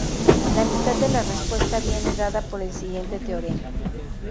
La mitad de la respuesta viene dada por el siguiente teorema.